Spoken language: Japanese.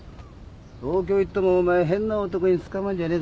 東京行ってもお前変な男につかまんじゃねえぞ。